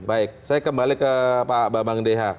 baik saya kembali ke pak mbak bangdeha